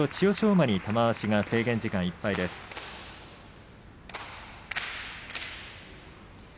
馬に玉鷲が制限時間いっぱいです。